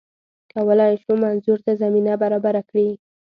کولای شو منظور ته زمینه برابره کړي